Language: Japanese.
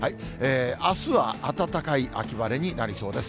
あすは暖かい秋晴れになりそうです。